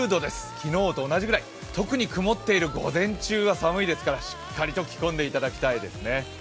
昨日と同じくらい、特に曇っている午前中は寒いですからしっかりと着込んでいただきたいですね。